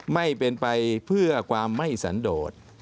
ไม่เป็นไปเพื่อความไม่สันโดด